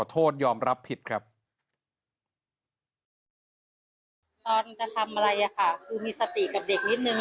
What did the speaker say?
ตอนกระทำอะไรอ่ะค่ะคือมีสติกับเด็กนิดนึง